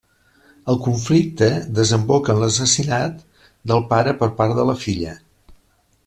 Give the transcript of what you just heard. El conflicte desemboca en l'assassinat del pare per part de la filla.